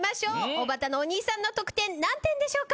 おばたのお兄さんの得点何点でしょうか？